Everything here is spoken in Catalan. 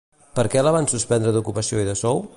Per què la van suspendre d'ocupació i de sou?